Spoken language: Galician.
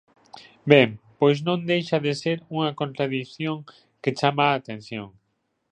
Ben, pois non deixa de ser unha contradición que chama a atención.